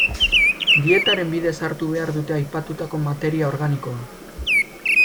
Dietaren bidez hartu behar dute aipatutako materia organikoa.